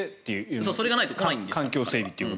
それがないと。